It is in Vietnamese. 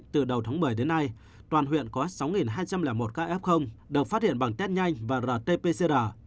từ đầu tháng một mươi đến nay toàn huyện có sáu hai trăm linh một ca f được phát hiện bằng test nhanh và rt pcr